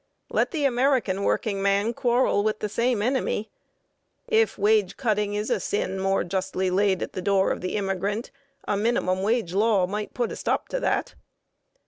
Let the American workingman quarrel with the same enemy. If wage cutting is a sin more justly laid at the door of the immigrant, a minimum wage law might put a stop to that.